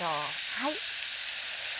はい。